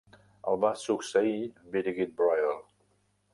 El va succeir Birgit Breuel.